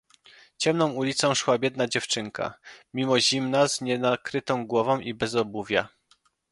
"Ciemną ulicą szła biedna dziewczynka, mimo zimna z nienakrytą głową i bez obuwia."